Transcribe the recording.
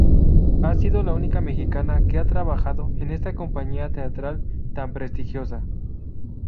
Ha sido la única mexicana que ha trabajado en esta compañía teatral tan prestigiosa.